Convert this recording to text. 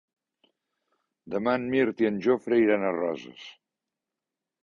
Demà en Mirt i en Jofre iran a Roses.